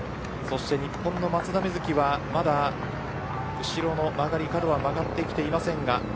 日本の松田瑞生は後ろの曲がり角を曲がってきていません。